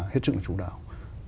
hết sức là chủ đạo